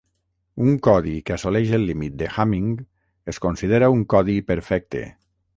Un codi que assoleix el límit de Hamming es considera un codi perfecte.